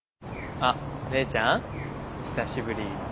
あっ姉ちゃん久しぶり。